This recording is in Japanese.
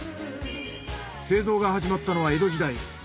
製造が始まったのは江戸時代。